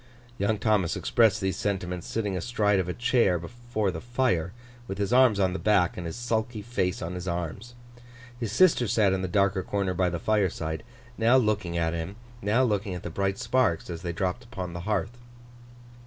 Young Thomas expressed these sentiments sitting astride of a chair before the fire, with his arms on the back, and his sulky face on his arms. His sister sat in the darker corner by the fireside, now looking at him, now looking at the bright sparks as they dropped upon the hearth.